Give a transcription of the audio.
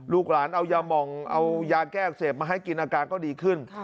ลูกหลานเอายามองเอายาแก้อักเสบมาให้กินอาการก็ดีขึ้น